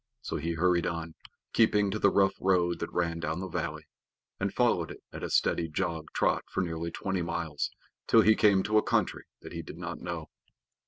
So he hurried on, keeping to the rough road that ran down the valley, and followed it at a steady jog trot for nearly twenty miles, till he came to a country that he did not know.